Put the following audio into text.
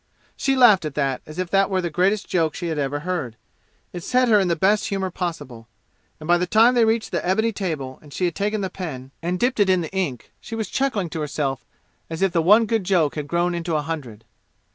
She laughed at that as if it were the greatest joke she had ever heard. It set her in the best humor possible, and by the time they reached the ebony table and she had taken the pen and dipped it in the ink, she was chuckling to herself as if the one good joke had grown into a hundred.